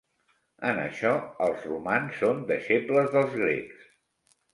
En això els romans són deixebles dels grecs.